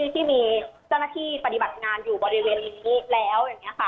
ที่มีเจ้าหน้าที่ปฏิบัติงานอยู่บริเวณนี้แล้ว